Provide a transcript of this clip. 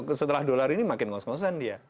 oke setelah dollar ini makin ngos ngosan dia